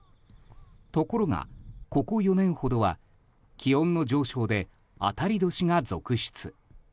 ところが、ここ４年ほどは気温の上昇で当たり年が続出。